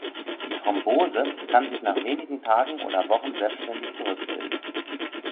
Die Thrombose kann sich nach wenigen Tagen oder Wochen selbstständig zurückbilden.